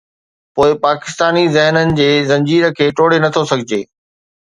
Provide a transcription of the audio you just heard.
پوءِ پاڪستاني ذهنن جي زنجير کي ٽوڙي نٿو سگهجي؟